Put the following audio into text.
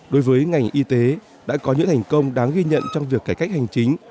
đối với ngành y tế đã có những thành công đáng ghi nhận trong việc cải cách hành chính